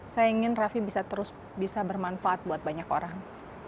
saya ingin raffi bisa terus bisa bermanfaat buat banyak orang